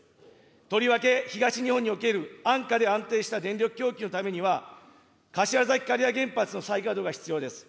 とりわけ、東日本における安価で安定した電力供給のためには、柏崎刈羽原発の再稼働が必要です。